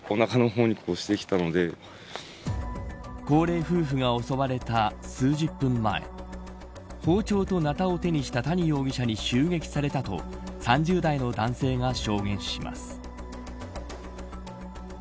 高齢夫婦が襲われた数十分前包丁とナタを手にした谷容疑者に襲撃されたと３０代の男性が証言します。